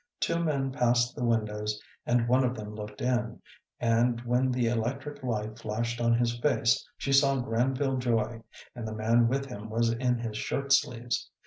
Two men passed the windows and one of them looked in, and when the electric light flashed on his face she saw Granville Joy, and the man with him was in his shirt sleeves.